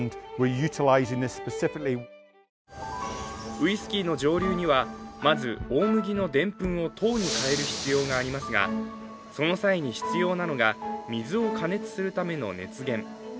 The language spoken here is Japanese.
ウイスキーの蒸留には、まず大麦のでんぷんを糖に変える必要がありますが、その際に必要なのが水を加熱するための熱源。